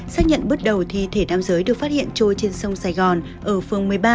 xác nhận bước đầu thi thể nam giới được phát hiện trôi trên sông sài gòn ở phường một mươi ba